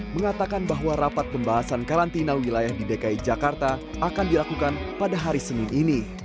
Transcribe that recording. mengatakan bahwa rapat pembahasan karantina wilayah di dki jakarta akan dilakukan pada hari senin ini